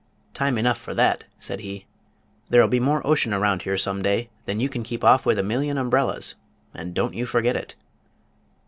"Time enough for that," said he. "There'll be more ocean around here some day than you can keep off with a million umbrellas, and don't you forget it."